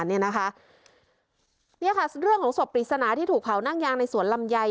นี่ค่ะเรื่องของศพปริศนาที่ถูกเผานั่งยางในสวนลำไย